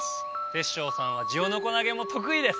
テッショウさんはジオノコ投げもとくいです！